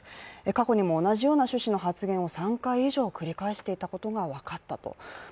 過去にも同じような趣旨の発言を３回以上繰り返していたことが分かったと。